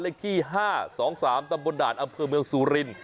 เลขที่ห้าสองสามตำบนด่านอำเภอเมืองสูริน